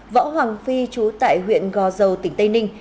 võ hoàng phi chú tại huyện gò dầu tỉnh tây ninh